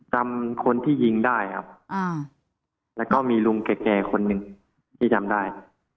จำคนที่ยิงได้ครับแล้วก็มีลุงแก่คนหนึ่งที่จำได้